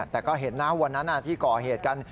แต่ก็เห็นนะวันนั้นที่ก่อเหตุกัน